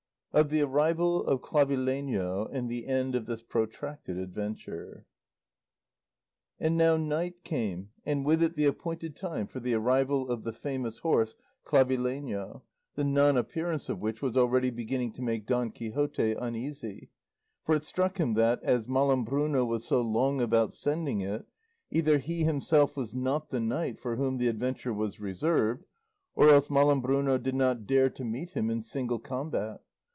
OF THE ARRIVAL OF CLAVILEÑO AND THE END OF THIS PROTRACTED ADVENTURE And now night came, and with it the appointed time for the arrival of the famous horse Clavileño, the non appearance of which was already beginning to make Don Quixote uneasy, for it struck him that, as Malambruno was so long about sending it, either he himself was not the knight for whom the adventure was reserved, or else Malambruno did not dare to meet him in single combat.